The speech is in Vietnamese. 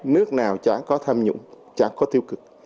nước nào chẳng có tham nhũng chẳng có tiêu cực